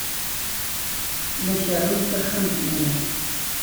La kerrun taxxamt-nni.